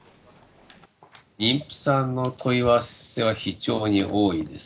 妊婦さんの問い合わせは非常に多いです。